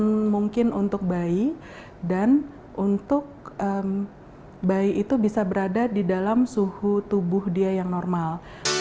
yang mungkin untuk bayi dan untuk bayi itu bisa berada di dalam suhu tubuh dia yang normal